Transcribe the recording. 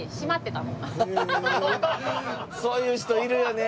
そういう人いるよね。